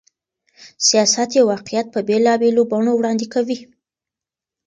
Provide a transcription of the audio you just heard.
سياست يو واقعيت په بېلابېلو بڼو وړاندې کوي.